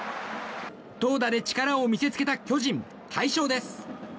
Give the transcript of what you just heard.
投打で力を見せつけた巨人大勝です。